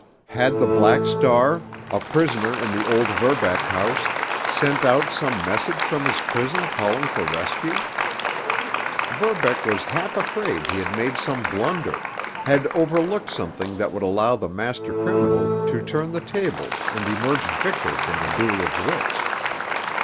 Had the Black Star, a prisoner in the old Verbeck house, sent out some message from his prison calling for rescue? Verbeck was half afraid he had made some blunder, had overlooked something that would allow the master criminal to turn the tables and emerge victor from the duel of wits.